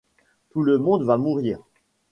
Tout le monde va mourir.